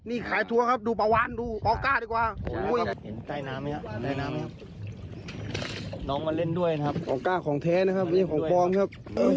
เราจับเชิญครับอยาร้ายแต่เต็มมีแค่เทจน์ครับ